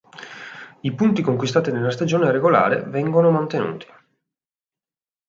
I punti conquistati nella stagione regolare vengono mantenuti.